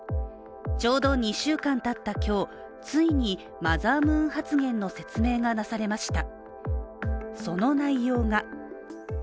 ちょうど２週間たった今日、ついにマザームーン発言の説明がなされました。